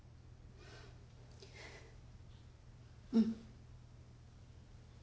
うん。